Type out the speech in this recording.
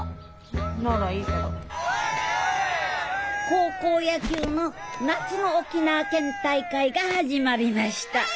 高校野球の夏の沖縄県大会が始まりました。